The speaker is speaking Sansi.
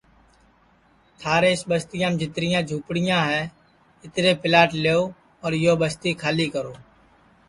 تھارے اِس بستِیام جِترِیاں جھوپڑیاں ہے اِترے پِلاٹ لیؤ اور یو بستی کھالی کرو